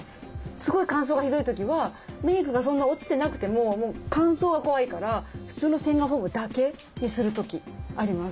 すごい乾燥がひどい時はメークがそんな落ちてなくても乾燥が怖いから普通の洗顔フォームだけにする時あります。